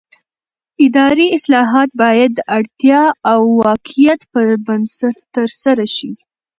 اداري اصلاحات باید د اړتیا او واقعیت پر بنسټ ترسره شي